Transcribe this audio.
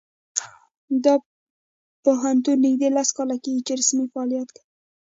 دا پوهنتون نږدې لس کاله کیږي چې رسمي فعالیت کوي